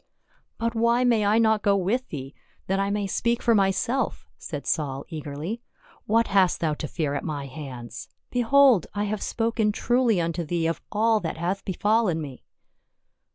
" But why may I not go with thee, that I may speak for myself?" said Saul eagerly. " What hast thou to fear at my hands ? behold, I have spoken truly unto thee of all that hath befallen mc."